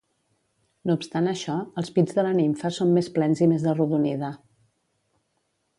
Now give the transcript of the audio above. No obstant això, els pits de la nimfa són més plens i més arrodonida.